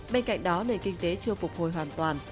bên cạnh đó nền kinh tế chưa phục hồi hoàn toàn